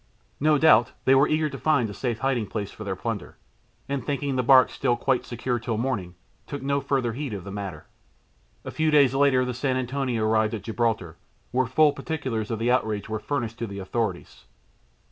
No doubt they were eager to find a safe hiding place for their plunder, and, thinking the barque quite secure till morning, took no further heed of the matter. A few days later the San Antonio arrived at Gibraltar, where full particulars of the outrage were furnished to the authorities.